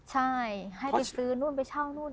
ใช่ให้ไปซื้อนู่นไปเช่านู่น